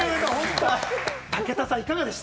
武田さん、いかがでした？